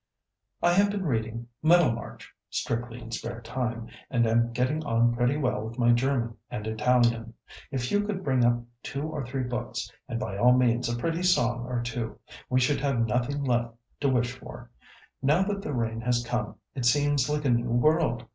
"I have been reading Middlemarch strictly in spare time, and am getting on pretty well with my German and Italian. If you could bring up two or three books, and by all means a pretty song or two, we should have nothing left to wish for. Now that the rain has come, it seems like a new world.